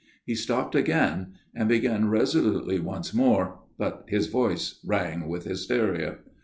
He stopped again ; and began resolutely once more ; but his voice rang with hysteria.